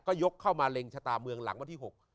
ก็ยกเข้ามาเล็งชะตาเมืองหลังวันที่๖